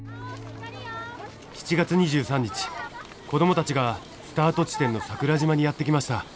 子どもたちがスタート地点の桜島にやって来ました。